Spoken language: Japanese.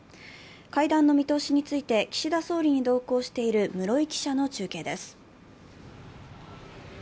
会談の見通しについて岸田総理に同行している室井記者の中継です。